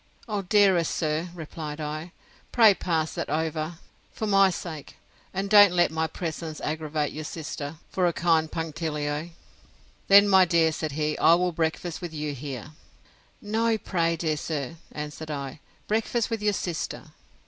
—O, dearest sir, replied I, pray pass that over, for my sake; and don't let my presence aggravate your sister, for a kind punctilio! Then, my dear, said he, I will breakfast with you here. No, pray, dear sir, answered I, breakfast with your sister.